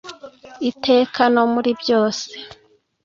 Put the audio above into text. iteka no muri byose